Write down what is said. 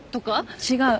違う。